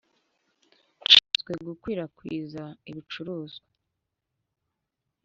nshinzwe gukwirakwiza ibicuruzwa